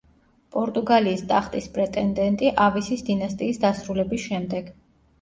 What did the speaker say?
პორტუგალიის ტახტის პრეტენდენტი ავისის დინასტიის დასრულების შემდეგ.